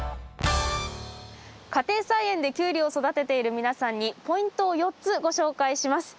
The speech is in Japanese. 家庭菜園でキュウリを育てている皆さんにポイントを４つご紹介します。